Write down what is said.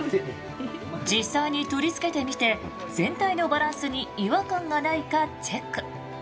実際に取り付けてみて全体のバランスに違和感がないかチェック。